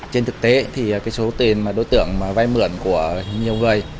trên thực tế thì số tiền đối tượng vay mượn của nhiều người